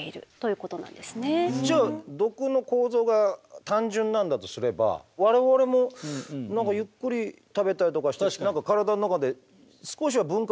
じゃあ毒の構造が単純なんだとすれば我々もゆっくり食べたりとかしたら体の中で少しは分解できそうな気がするんですけど。